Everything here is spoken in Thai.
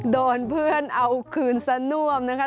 โดนเพื่อนเอาคืนซะน่วมนะคะ